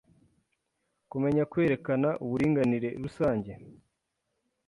kumenya kwerekana uburinganire rusange ...?